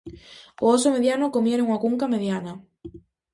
O oso mediano comía nunha cunca mediana.